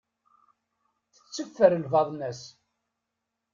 Tetteffer lbaḍna-s.